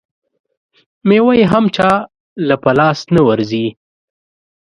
مېوه یې هم چا له په لاس نه ورځي.